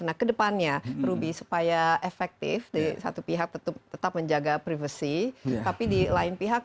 nah kedepannya ruby supaya efektif di satu pihak tetap menjaga privasi tapi di lain pihak